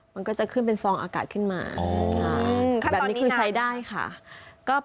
มันก็จะขึ้นเป็นฟองอากาศขึ้นมาแบบนี้คือใช้ได้ค่ะ